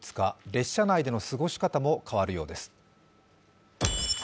列車内での過ごし方も変わるようです。